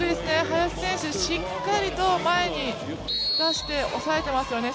林選手、しっかりと前に出して抑えていますよね。